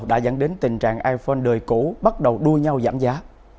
đã dẫn đến tình trạng iphone đời cũ bắt đầu đua nhau giảm giá